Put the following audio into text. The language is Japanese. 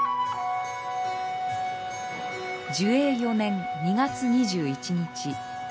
寿永４年２月２１日。